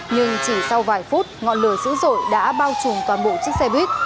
nhưng chỉ sau vài phút ngọn lửa dữ dội đã bao trùm toàn bộ chiếc xe buýt